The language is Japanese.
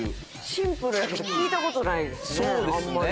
シンプルやけど、聞いたことないですね。